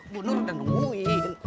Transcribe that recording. bunur dan nungguin